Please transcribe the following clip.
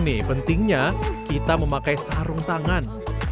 nih pentingnya kita memakai sarung tangan